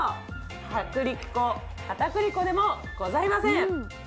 薄力粉、片栗粉でもございません。